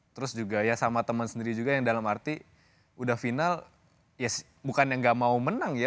terus juga ya sama temen sendiri juga yang dalam arti udah final ya bukan yang gak mau menang ya